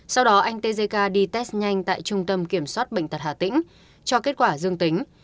sau đó anh tjk đi test nhanh tại trung tâm kiểm soát bệnh tật hà tĩnh cho kết quả dương tính